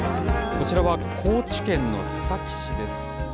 こちらは高知県の須崎市です。